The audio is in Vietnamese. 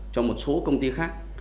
cho một số công ty khác